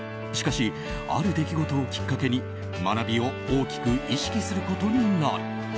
しかし、ある出来事をきっかけに学びを大きく意識することになる。